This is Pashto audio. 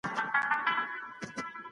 هغوی د خرما په خوړلو اخته دي.